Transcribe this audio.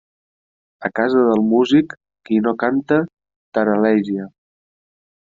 A casa del músic, qui no canta, taral·leja.